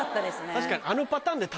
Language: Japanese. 確かに。